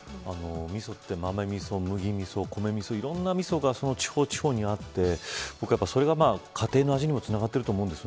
みそって豆みそ、麦みそ、米みそといろいろな、みそが地方であってそれが家庭の味にもつながっていると思います。